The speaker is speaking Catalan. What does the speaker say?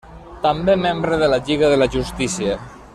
També membre de Lliga de la Justícia.